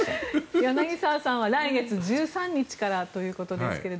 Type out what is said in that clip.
柳澤さんは来月１３日からということですが。